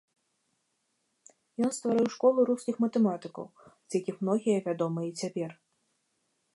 Ён стварыў школу рускіх матэматыкаў, з якіх многія вядомы і цяпер.